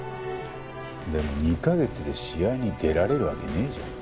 でも２カ月で試合に出られるわけねえじゃん。